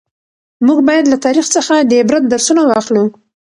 موږ باید له تاریخ څخه د عبرت درسونه واخلو.